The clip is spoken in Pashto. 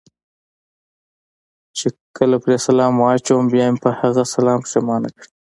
چې کله پرې سلام واچوم، بیا مې په هغه سلام پښېمانه کړي.